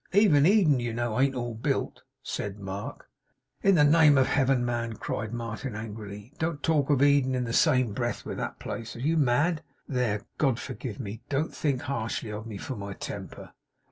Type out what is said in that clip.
'Even Eden, you know, ain't all built,' said Mark. 'In the name of Heaven, man,' cried Martin angrily, 'don't talk of Eden in the same breath with that place. Are you mad? There God forgive me! don't think harshly of me for my temper!